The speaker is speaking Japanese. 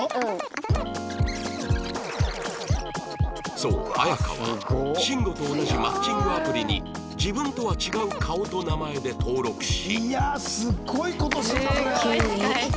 そうアヤカはシンゴと同じマッチングアプリに自分とは違う顔と名前で登録し